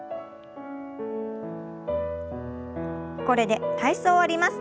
これで体操を終わります。